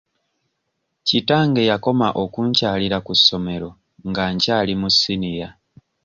Kitange yakoma okunkyalira ku ssomero nga kyali mu siniya.